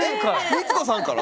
光子さんから？